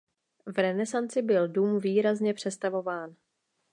V renesanci byl dům výrazně přestavován.